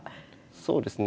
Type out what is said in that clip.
そうですね。